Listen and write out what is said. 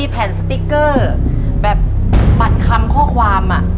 แผ่นสติ๊กเกอร์แบบบัตรคำข้อความ